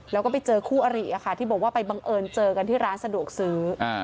แล้วก็ไปเจอคู่อริที่บอกว่าไปบังเอิญเจอกันที่ร้านสะดวกซื้อ